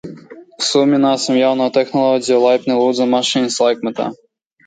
Sumināsim jauno tehnoloģiju, Laipni lūdzam Mašīnas laikmetā!